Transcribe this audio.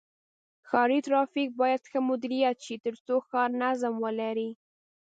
ښاري ترافیک باید ښه مدیریت شي تر څو ښار نظم ولري.